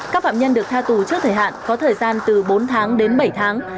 các phạm nhân được tha tù trước thời hạn có thời gian từ bốn tháng đến bảy tháng